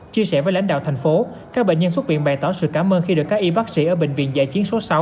chia sẻ với lãnh đạo thành phố các bệnh nhân xuất viện bày tỏ sự cảm ơn khi được các y bác sĩ ở bệnh viện dạy truyền